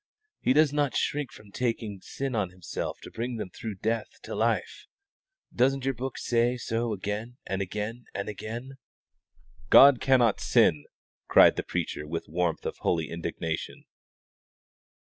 He does not shrink from taking sin on Himself to bring them through death to life. Doesn't your book say so again and again and again?" "God cannot sin!" cried the preacher, with the warmth of holy indignation.